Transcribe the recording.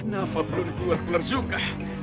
kenapa belum keluar juga